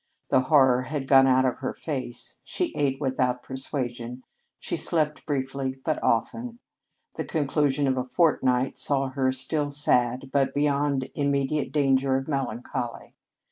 The horror had gone out of her face; she ate without persuasion; she slept briefly but often. The conclusion of a fortnight saw her still sad, but beyond immediate danger of melancholy.